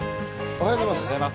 おはようございます。